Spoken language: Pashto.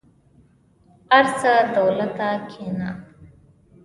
ارڅه دولته کينه.